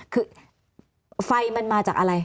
คือไฟมันมาจากอะไร